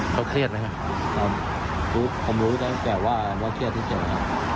ผมรู้ได้แต่ว่าเครียดที่เจ็บครับ